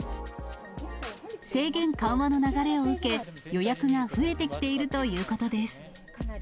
制限緩和の流れを受け、予約が増えてきているということです。